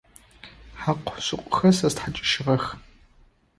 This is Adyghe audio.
Хьакъу-шыкъухэр сэ стхьакӏыжьыгъэх.